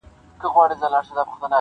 چي دا ټوله د دوستانو برکت دی -